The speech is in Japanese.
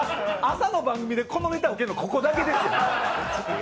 朝の番組でこのネタウケるのはこの番組だけですよ。